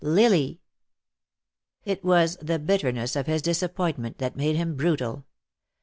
Lily! It was the bitterness of his disappointment that made him brutal.